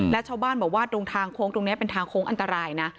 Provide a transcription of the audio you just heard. และชาวบ้านบอกว่าตรงทางโค้งตรงนี้เป็นทางโค้งอันตรายนะ